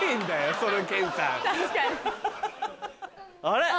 あれ！